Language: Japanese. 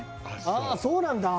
「ああそうなんだ」。